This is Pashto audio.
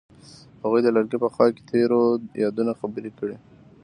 هغوی د لرګی په خوا کې تیرو یادونو خبرې کړې.